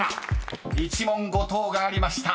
［１問誤答がありました］